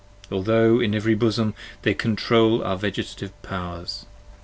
Although in every bosom they controll our Vegetative powers.